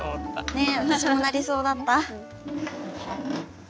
ね私も鳴りそうだった。